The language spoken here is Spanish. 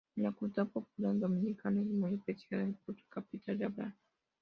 En la cultura popular dominicana es muy apreciada por su capacidad de ""hablar".